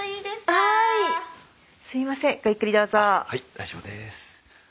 はい大丈夫です。